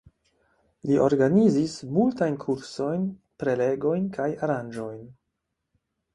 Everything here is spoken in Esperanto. Li organizis multajn kursojn, prelegojn kaj aranĝojn.